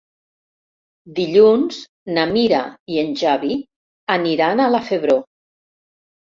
Dilluns na Mira i en Xavi aniran a la Febró.